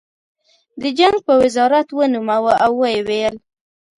د جنګ په وزارت ونوموه او ویې ویل